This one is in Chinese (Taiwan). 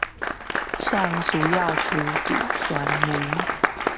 誰需要除皺酸梅